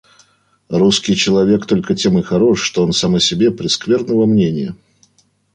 Русский человек только тем и хорош, что он сам о себе прескверного мнения.